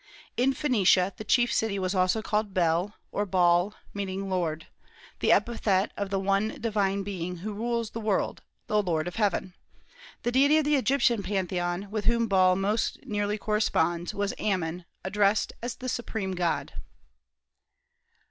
In Phoenicia the chief deity was also called Bel, or Baal, meaning "Lord," the epithet of the one divine being who rules the world, or the Lord of heaven. The deity of the Egyptian pantheon, with whom Baal most nearly corresponds, was Ammon, addressed as the supreme God.